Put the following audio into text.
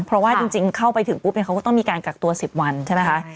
เพราะว่าจริงเข้าไปถึงปุ๊บนี้เค้าก็จะมีการกักตัว๑๐วันใช่มั้ยคะ